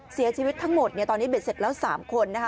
เสียชีวิตทั้งหมดตอนนี้เบ็ดเสร็จแล้ว๓คนนะคะ